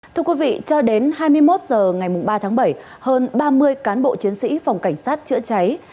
thưa quý vị cho đến hai mươi một h ngày ba tháng bảy hơn ba mươi cán bộ chiến sĩ phòng cảnh sát chữa cháy